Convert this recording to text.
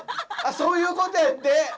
そういうことやって。